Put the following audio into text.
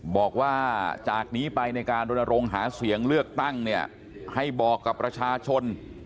บอกว่าจากนี้ไปในการรณรงค์หาเสียงเลือกตั้งเนี่ยให้บอกกับประชาชน